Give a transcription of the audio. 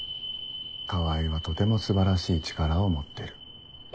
川合はとても素晴らしい力を持ってる。